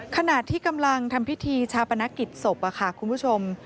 ขณะที่กำลังทำพิธีชาปนกิจศพคุณผู้ชม